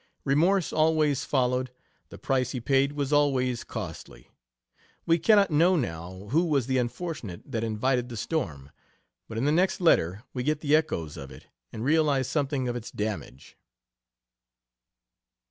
Remorse always followed the price he paid was always costly. We cannot know now who was the unfortunate that invited the storm, but in the next letter we get the echoes of it and realize something of its damage.